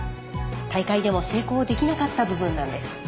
大会でも成功できなかった部分なんです。